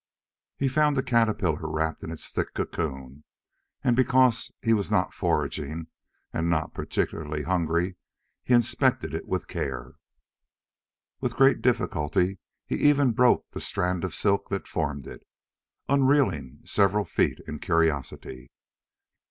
He found a caterpillar wrapped in its thick cocoon and, because he was not foraging and not particularly hungry, he inspected it with care. With great difficulty he even broke the strand of silk that formed it, unreeling several feet in curiosity.